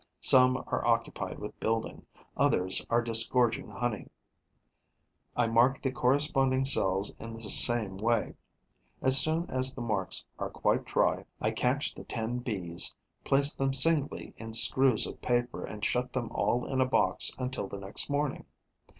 Some are occupied with building, others are disgorging honey. I mark the corresponding cells in the same way. As soon as the marks are quite dry, I catch the ten Bees, place them singly in screws of paper and shut them all in a box until the next morning.